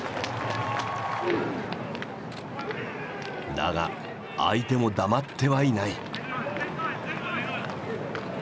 だが相手も黙ってはいない。